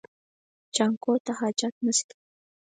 جانکو ته حاجت نشته.